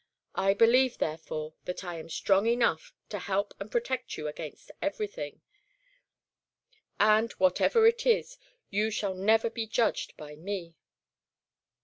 I believe, therefore, that I am strong enough to help and protect you against everything. And, whatever it is, you shall never be judged by me."